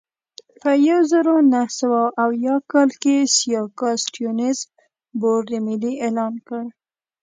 په یوه زرو نهه سوه اویا کال کې سیاکا سټیونز بورډ ملي اعلان کړ.